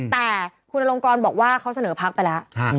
แต่คุณอลงกรบอกว่าเขาเสนอพักไปแล้ว